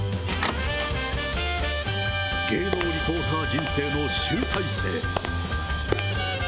芸能リポーター人生の集大成。